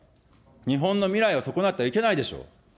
日本の未来を損なってはいけないでしょう。